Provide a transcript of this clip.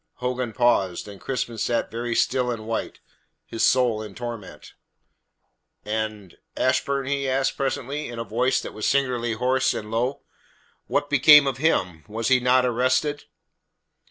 Hogan paused, and Crispin sat very still and white, his soul in torment. "And Ashburn?" he asked presently, in a voice that was singularly hoarse and low. "What became of him? Was he not arrested?"